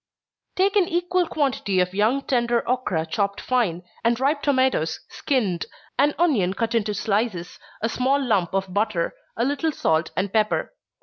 _ Take an equal quantity of young tender ocra chopped fine, and ripe tomatoes skinned, an onion cut into slices, a small lump of butter, a little salt and pepper.